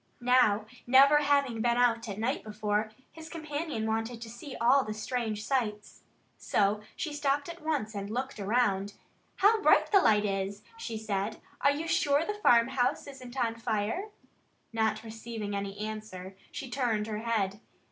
Now, never having been out at night before, his companion wanted to see all the strange sights. So she stopped at once and looked around. "How bright the light is!" she said. "Are you sure the farmhouse isn't on fire?" Not receiving any answer, she turned her head.